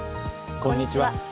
こんにちは。